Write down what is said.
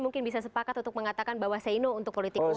mungkin bisa sepakat untuk mengatakan bahwa say no untuk politik uang